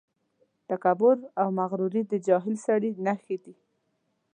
تکبر او مغروري د جاهل سړي نښې دي.